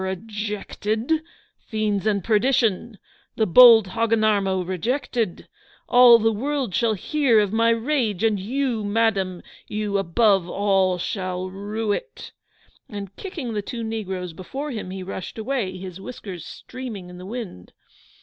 'R r r r rr Rejected! Fiends and perdition! The bold Hogginarmo rejected! All the world shall hear of my rage; and you, madam, you above all shall rue it!' And kicking the two negroes before him, he rushed away, his whiskers streaming in the wind.